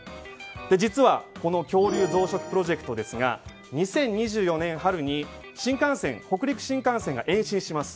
実はこの恐竜増殖プロジェクトですが２０２４年春に北陸新幹線が延伸します。